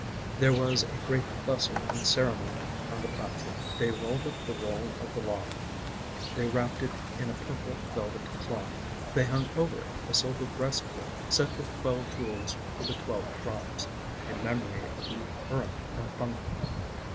There was a great bustle and ceremony on the platform; they rolled up the Roll of the Law; they wrapped it in a purple velvet cloth; they hung over it a silver breastplate set with twelve jewels for the Twelve Tribes in memory of the Urim and Thummim.